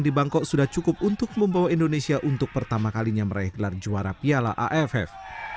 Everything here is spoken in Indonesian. di bangkok sudah cukup untuk membawa indonesia untuk pertama kalinya meraih gelar juara piala aff